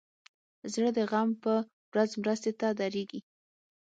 زړه د غم په ورځ مرستې ته دریږي.